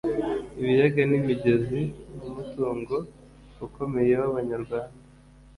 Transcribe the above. ibiyaga n’imigezi ni umutungo ukomeye w’abanyarwanda